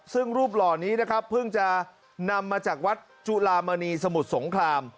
ซึ่งรูปหล่อนี้นะครับเพิ่งจะนำมาจากวัดจุลามณีสมุทรสงคราม